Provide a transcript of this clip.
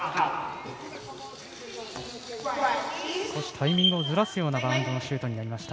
タイミングをずらすようなバウンドのシュートになりました。